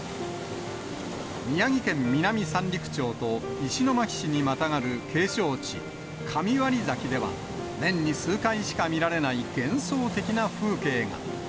宮城県南三陸町と石巻市にまたがる景勝地、神割崎では、年に数回しか見られない幻想的な風景が。